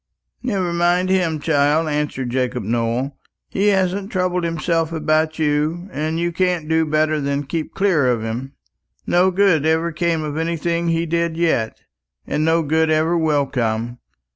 "Never mind him, child," answered Jacob Nowell. "He hasn't troubled himself about you, and you can't do better than keep clear of him. No good ever came of anything he did yet, and no good ever will come.